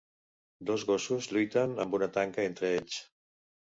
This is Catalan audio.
Dos gossos lluiten amb una tanca entre ells.